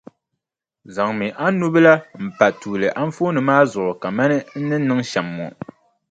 Zaŋmi a nubila m-pa tuuli anfooni maa zuɣu kamani n ni niŋ shɛm ŋɔ.